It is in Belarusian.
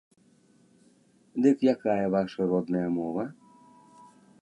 Дык якая ваша родная мова?